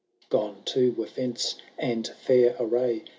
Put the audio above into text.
Gone, too, were fence and £ur array.